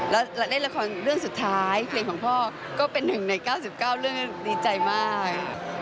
และเล่นละครเรื่องสุดท้ายเพลงของพ่อก็เป็นหนึ่งใน๙๙เรื่องดีใจมาก